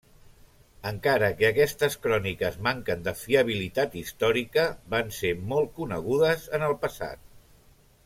Encara que aquestes cròniques manquen de fiabilitat històrica, van ser molt conegudes en el passat.